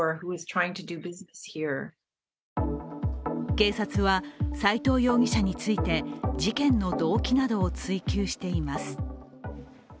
警察は、斉藤容疑者について事件の動機などを追及しています。